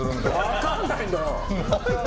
分かんないんだよ！